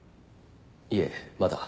いえまだ。